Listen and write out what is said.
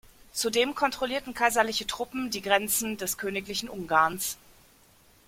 Zudem kontrollierten kaiserliche Truppen die Grenzen des Königlichen Ungarns.